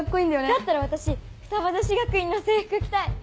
だったら私二葉女子学院の制服着たい！